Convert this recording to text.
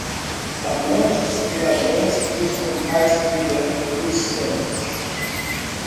Amantes e ladrões buscam a escuridão e os cantos.